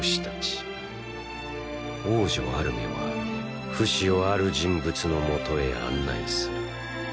王女アルメはフシをある人物のもとへ案内する。